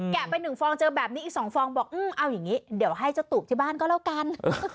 ไปหนึ่งฟองเจอแบบนี้อีก๒ฟองบอกเอาอย่างนี้เดี๋ยวให้เจ้าตูบที่บ้านก็แล้วกัน